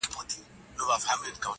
گيدړي ته خپل پوست بلا دئ.